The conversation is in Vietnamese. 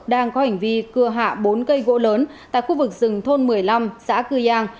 đang có hành vi cưa hạ bốn cây gỗ lớn tại khu vực rừng thôn một mươi năm xã cư giang